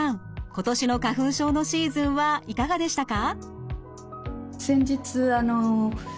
今年の花粉症のシーズンはいかがでしたか？